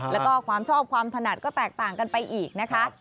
แล้วก็ความชอบความถนัดก็แตกต่างกันไปอีกนะคะ